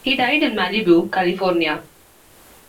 He died in Malibu, California.